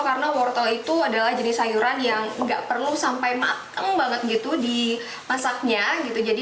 kalau itu adalah jenis sayuran yang enggak perlu sampai mateng banget gitu di masaknya gitu jadi